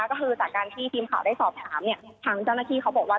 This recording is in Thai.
ก็คือจากการที่ทีมข่าวได้สอบถามหาวิทยาลัยสมัครเขาบอกว่า